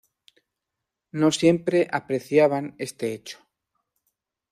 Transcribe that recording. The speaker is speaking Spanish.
No siempre apreciaban este hecho.